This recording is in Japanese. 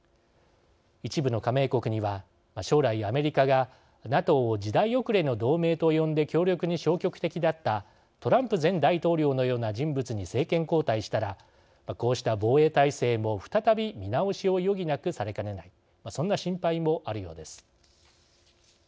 一部の加盟国には将来アメリカが、ＮＡＴＯを時代遅れの同盟と呼んで協力に消極的だったトランプ前大統領のような人物に政権交代したらこうした防衛態勢も再び見直しを余儀なくされかねないそんな心配もあるようです。